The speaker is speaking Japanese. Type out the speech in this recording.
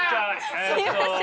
すいません。